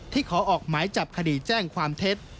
ขอออกหมายจับคดีแจ้งความเท็จ